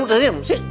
oh udah diem si